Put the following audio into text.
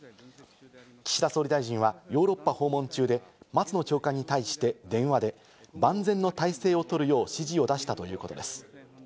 岸田総理大臣はヨーロッパ訪問中で、松野長官に対して電話で万全の体制を取るよう指示を出したということです。